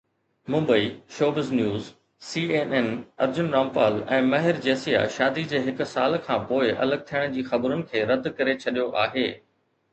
Mumbai (showbiz news) C N N Arjun Rampal ۽ Mehr Jesia شادي جي هڪ سال کانپوءِ الڳ ٿيڻ جي خبرن کي رد ڪري ڇڏيو آهي.